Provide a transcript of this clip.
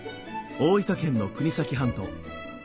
大分県の国東半島。